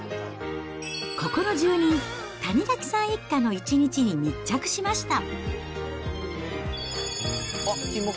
ここの住人、谷垣さん一家の一日に密着しました。